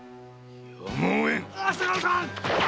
やむを得ん！